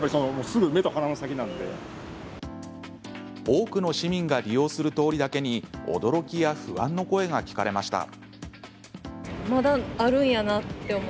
多くの市民が利用する通りだけに驚きや不安の声が聞かれました。